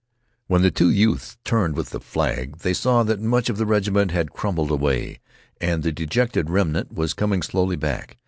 When the two youths turned with the flag they saw that much of the regiment had crumbled away, and the dejected remnant was coming slowly back.